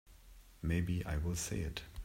Maybe I will say it.